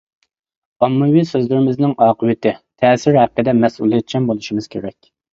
ئاممىۋى سۆزلىرىمىزنىڭ ئاقىۋىتى، تەسىرى ھەققىدە مەسئۇلىيەتچان بولۇشىمىز كېرەك.